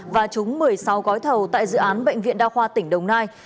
và trúng một mươi sáu gói thầu tại dự án bệnh viện đa khoa tỉnh đồng nai